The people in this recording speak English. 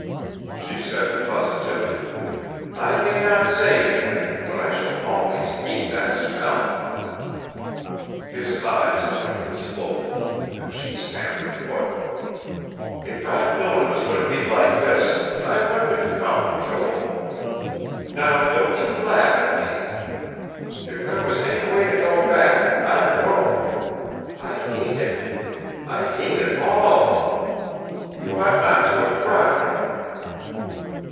She said positively: "I may not say anything, but I shall always hate that smell." His eyes twinkled slowly; and she stamped her foot. "If I'd known it was going to be like this, I wouldn't have come, Joel. Now don't you laugh at me. If there was any way to go back, I'd go. I hate it. I hate it all. You ought not to have brought me...."